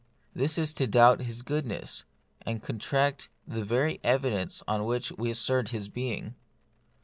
It is to doubt His goodness, and contradict the very evidence on which we assert His being.